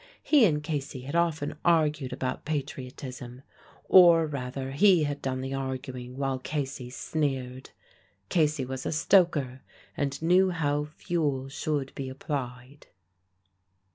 He and Casey had often argued about patriotism; or rather he had done the arguing while Casey sneered. Casey was a stoker, and knew how fuel should be applied.